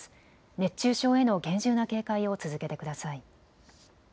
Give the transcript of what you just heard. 熱中症への厳重な警戒を続けてください。